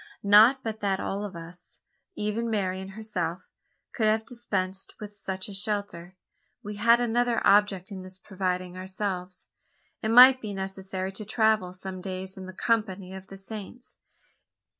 Not but that all of us even Marian herself could have dispensed with such a shelter. We had another object in thus providing ourselves. It might be necessary to travel some days in the company of the Saints.